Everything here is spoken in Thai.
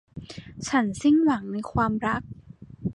ฉันสิ้นหวังในความรัก